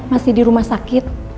masih di rumah sakit